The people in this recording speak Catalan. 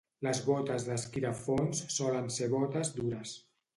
Les botes d'esquí de fons solen ser botes dures.